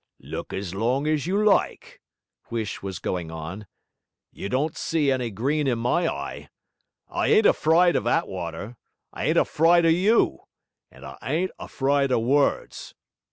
'Look as long as you like,' Huish was going on. 'You don't see any green in my eye! I ain't afryde of Attwater, I ain't afryde of you, and I ain't afryde of words.